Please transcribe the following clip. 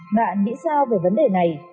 bạn nghĩ sao về vấn đề này